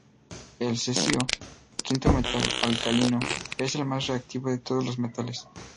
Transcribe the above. El cesio, quinto metal alcalino, es el más reactivo de todos los metales.